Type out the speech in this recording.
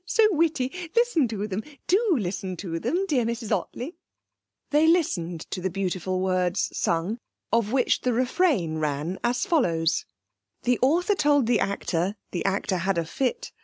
So witty. Listen to them do listen to them, dear Mrs Ottley.' They listened to the beautiful words sung, of which the refrain ran as follows: 'The Author told the Actor, (The Actor had a fit).